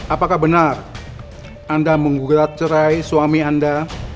apakah benar anda menggugat cerai suami anda